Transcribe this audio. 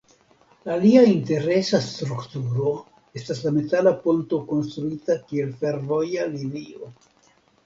Alia interesa strukturo estas la metala ponto konstruita kiel fervoja linio.